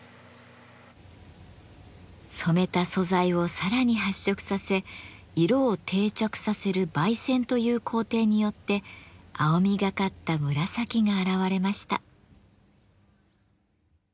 染めた素材をさらに発色させ色を定着させる媒染という工程によって青みがかった紫が現れました。